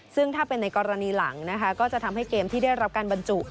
ซึ่งถ้าเป็นในกรณีหลังนะคะก็จะทำให้เกมที่ได้รับการบรรจุ